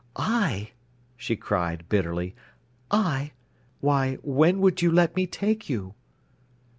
"I!" she cried bitterly—"I! Why, when would you let me take you?"